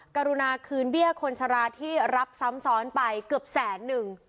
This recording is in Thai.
กรุณาคืนเบี้ยคนชราที่รับซ้ำซ้อนไปเกือบแสนหนึ่ง